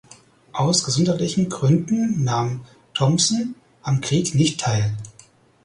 Aus gesundheitlichen Gründen nahm Thompson am Krieg nicht teil.